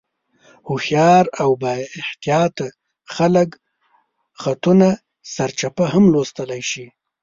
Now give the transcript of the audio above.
هوښیار او بااحتیاطه خلک خطونه سرچپه هم لوستلی شي.